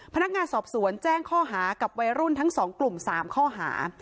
พนักงานสอบสวนแจ้งข้อหากับวัยรุ่นทั้ง๒กลุ่ม๓ข้อหา